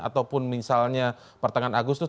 ataupun misalnya pertengahan agustus